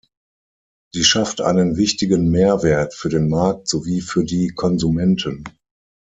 Sie schafft einen wichtigen Mehrwert für den Markt sowie für die Konsumenten.